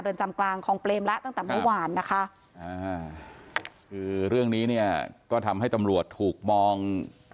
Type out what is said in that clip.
จำกลางคลองเปรมแล้วตั้งแต่เมื่อวานนะคะอ่าคือเรื่องนี้เนี่ยก็ทำให้ตำรวจถูกมอง